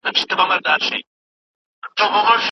زما استاد همدا اوس پر نوي کتاب کار کوي.